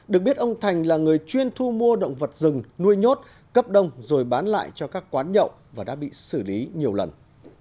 được biết ông thành là người chuyên thu mua động vật rừng nuôi nhốt cấp đông rồi bán lại cho các quán nhậu và đã bị xử lý nhiều lần